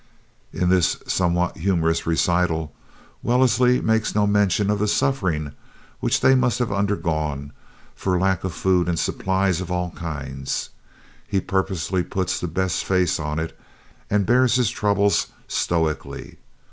In this somewhat humorous recital, Wellesley makes no mention of the sufferings which they must have undergone from lack of food and supplies of all kinds. He purposely puts the best face on it, and bears his troubles stoically.